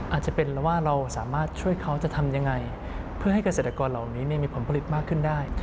อาจจะเป็นแล้วว่าเราสามารถช่วยเขาจะทำยังไงเพื่อให้เกษตรกรเหล่านี้มีผลผลิตมากขึ้นได้